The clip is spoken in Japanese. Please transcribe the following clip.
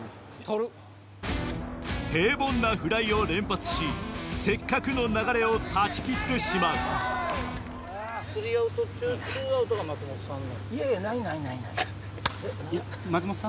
平凡なフライを連発しせっかくの流れを断ち切ってしまうないないない。